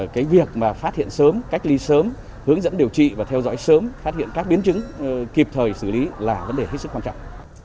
cái việc mà phát hiện sớm cách ly sớm hướng dẫn điều trị và theo dõi sớm phát hiện các biến chứng kịp thời xử lý là vấn đề hết sức quan trọng